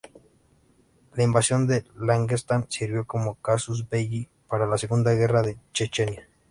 La invasión de Daguestán sirvió como "casus belli" para la Segunda Guerra de Chechenia.